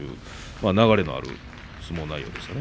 流れのある相撲でしたね。